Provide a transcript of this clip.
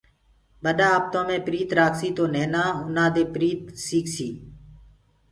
ٻڏآ آپتو مي پريت رآکسيٚ تو نهينآ آُنآ دي پريت سيٚڪسيٚ